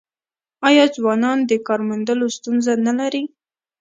آیا ځوانان د کار موندلو ستونزه نلري؟